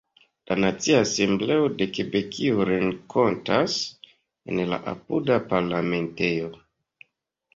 La Nacia Asembleo de Kebekio renkontas en la apuda Parlamentejo.